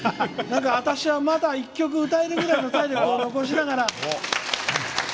私は、まだ一曲歌えるぐらいの体力を残しながら。